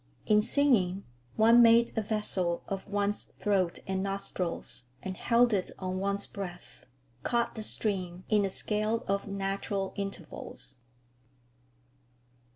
In singing, one made a vessel of one's throat and nostrils and held it on one's breath, caught the stream in a scale of natural intervals.